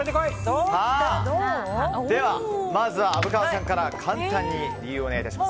まずは虻川さんから簡単に理由をお願いします。